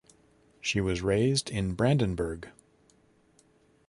She was raised in Brandenburg.